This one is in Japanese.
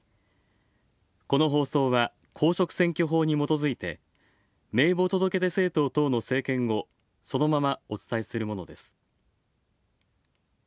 この放送は公職選挙法にもとづいて名簿届出政党等の政見をそのままお伝えするものです。